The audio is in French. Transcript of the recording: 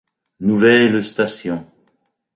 Nouvelles stations.